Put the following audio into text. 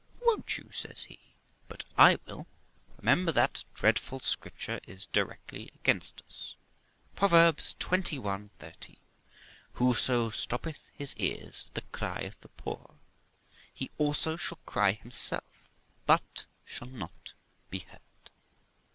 ' Won't you ?' says he ;' but I will. Remember that dreadful Scripture is directly against us. Prov. xxi. 13; Whoso stop peth his ears at the cry of the poor, he also shall cry himself, but shall not be heard.'